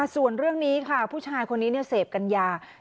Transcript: ส่วนเรื่องนี้ค่ะผู้ชายคนนี้เสพกัญญา